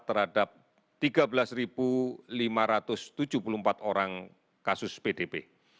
terhadap tiga belas lima ratus tujuh puluh empat orang kasus pdp